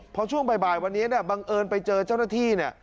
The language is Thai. พอช่วงบ่ายวันนี้บังเอิญไปเจอเจ้าหน้าที่